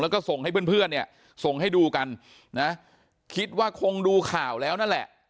แล้วก็ส่งให้เพื่อนเพื่อนเนี่ยส่งให้ดูกันนะคิดว่าคงดูข่าวแล้วนั่นแหละ